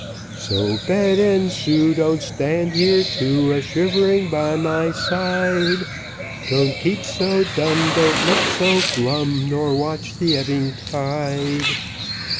So Bet and Sue Don't stand here too, A shivering by my side, Don't keep so dumb, Don't look so glum, Nor watch the ebbing tide.